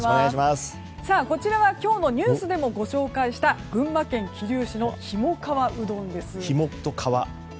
こちらは今日のニュースでもご紹介した群馬県桐生市のひもかわうどんです。